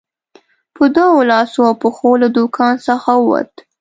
په دوو لاسو او پښو له دوکان څخه ووت.